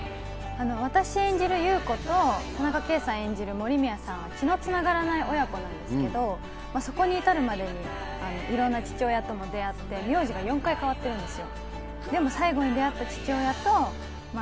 私が演じる優子と、田中圭さん演じる森宮さんは血の繋がらない親子なんですけど、そこに至るまでに、いろんな父親とも出会って、名字が４回変わってるんですよ。